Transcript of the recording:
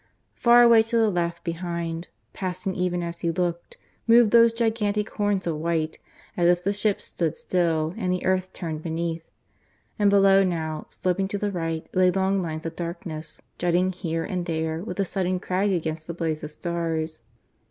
Far away to the left behind, passing even as he looked, moved those gigantic horns of white, as if the ship stood still and the earth turned beneath; and below now, sloping to the right, lay long lines of darkness, jutting here and there with a sudden crag against the blaze of stars.